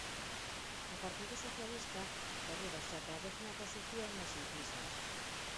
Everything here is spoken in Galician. O Partido Socialista derrúbase ata a décima posición nas enquisas.